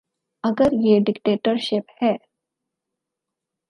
اگر یہ ڈکٹیٹرشپ ہے۔